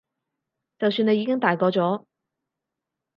就算你已經大個咗